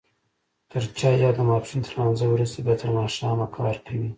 تر چايو او د ماسپښين تر لمانځه وروسته بيا تر ماښامه کار کوي.